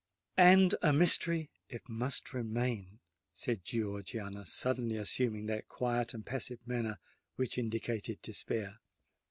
"And a mystery it must remain," said Georgiana, suddenly assuming that quiet and passive manner which indicated despair.